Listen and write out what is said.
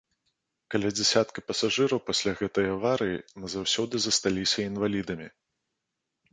Каля дзясятка пасажыраў пасля гэтай аварыі назаўсёды засталіся інвалідамі.